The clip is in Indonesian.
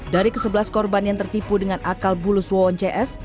dari kesebelas korban yang tertipu dengan akal bulus wawon cs